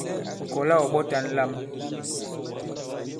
Ɔ̀ kɔ̀la ɔ̀ ɓɔ̀ta ǹlam.